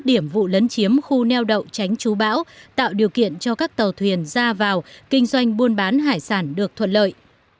các điểm vụ lấn chiếm khu neo đậu tránh chú bão tạo điều kiện cho các tàu thuyền ra vào kinh doanh buôn bán hải sản được thuận lợi